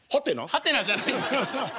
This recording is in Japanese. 「ハテナ」じゃないんだよ。